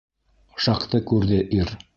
Жакты күрҙе ир.